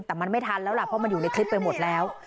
แต่มันไม่ทันแล้วล่ะเพราะมันอยู่ในคลิปไปหมดแล้ว